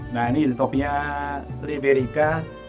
nah ini jenis kopinya liberica